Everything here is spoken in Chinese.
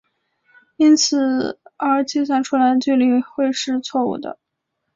因此而计算出来的距离会是错武的。